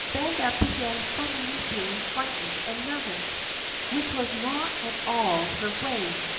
Vanda began suddenly feeling frightened and nervous, which was not at all her way.